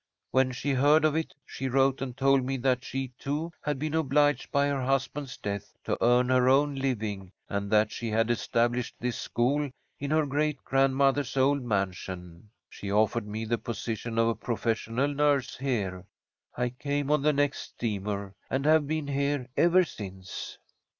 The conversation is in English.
When she heard of it, she wrote and told me that she, too, had been obliged by her husband's death to earn her own living, and that she had established this school in her great grandmother's old mansion. She offered me the position of professional nurse here. I came on the next steamer, and have been here ever since.